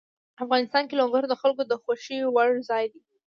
افغانستان کې لوگر د خلکو د خوښې وړ ځای دی.